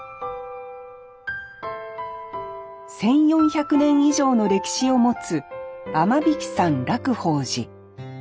１，４００年以上の歴史を持つ雨引山楽法寺。